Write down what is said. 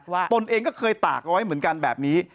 ตนเองก็เคยตากเอาไว้เหมือนกันแบบนี้